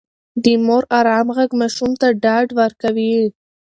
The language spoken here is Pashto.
د مور ارام غږ ماشوم ته ډاډ ورکوي.